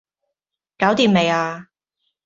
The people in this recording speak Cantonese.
搞掂未呀